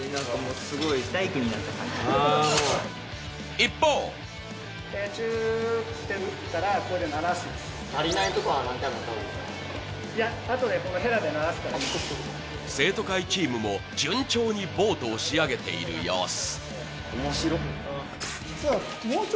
一方生徒会チームも順調にボートを仕上げている様子。